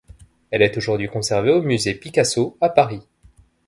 Elle est aujourd'hui conservée au musée Picasso, à Paris.